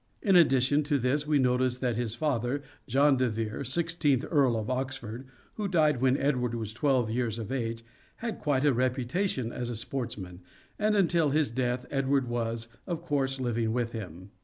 In ad dition to this we notice that his father, John de Vere, i6th Earl of Oxford, who died when Edward was twelve years of age, had quite a reputation as a sports man, and until his death Edward was, of course, living with him.